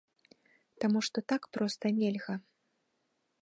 Таму што так проста нельга.